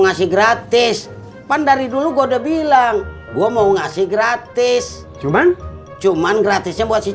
ngasih gratis pan dari dulu gua udah bilang gua mau ngasih gratis cuman cuma cuman gratisnya buat si